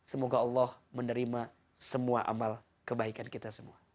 semoga allah menerima semua amal kebaikan kita semua